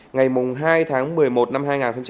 ngày hai tháng một mươi một năm hai nghìn hai mươi